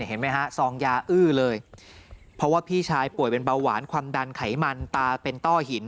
เห็นไหมฮะซองยาอื้อเลยเพราะว่าพี่ชายป่วยเป็นเบาหวานความดันไขมันตาเป็นต้อหิน